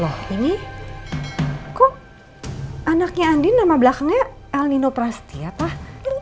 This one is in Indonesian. loh ini kok anaknya andin nama belakangnya el nino prasetya pah